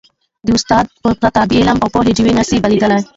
د استاد پرته، د علم او پوهې ډېوي نه سي بلېدلی.